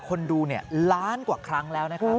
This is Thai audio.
คนดูล้านกว่าครั้งแล้วนะครับ